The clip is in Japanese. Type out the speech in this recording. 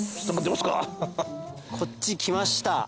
こっち来ました。